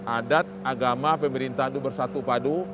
adat agama pemerintah bersatu padu